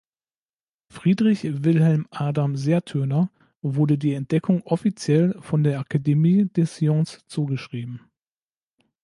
Friedrich Wilhelm Adam Sertürner wurde die Entdeckung offiziell von der Academie des Sciences zugeschrieben.